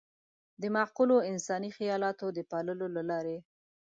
د معقولو انساني خيالاتو د پاللو له لارې.